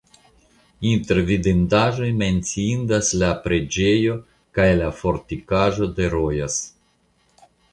Inter vidindaĵoj menciindas la preĝejo kaj la fortikaĵo de Rojas.